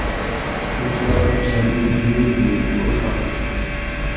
اوچات کھۤن لِگ لِگ اُڛاۤر